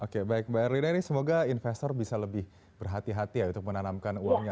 oke baik mbak erlina ini semoga investor bisa lebih berhati hati ya untuk menanamkan uangnya